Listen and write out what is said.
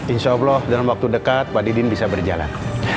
insya allah dalam waktu dekat pak didin bisa berjalan